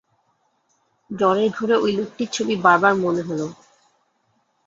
জ্বরের ঘোরে ঐ লোকটির ছবি বারবার মনে হলো।